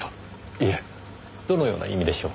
いえどのような意味でしょう？